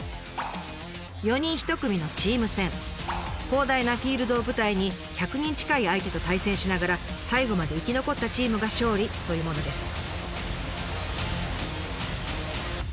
広大なフィールドを舞台に１００人近い相手と対戦しながら最後まで生き残ったチームが勝利というものです。